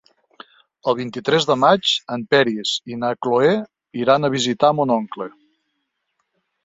El vint-i-tres de maig en Peris i na Cloè iran a visitar mon oncle.